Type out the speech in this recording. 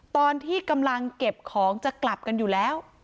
ตอนที่กำลังเก็บของจะกลับกันอยู่แล้ว